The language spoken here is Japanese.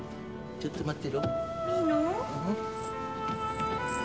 ちょっと待って。